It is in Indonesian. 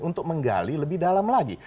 untuk menggali lebih dalam lagi